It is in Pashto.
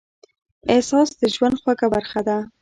احساس د ژوند خوږه برخه ده.